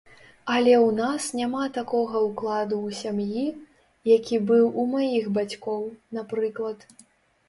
Але ў нас няма такога ўкладу ў сям'і, які быў у маіх бацькоў, напрыклад.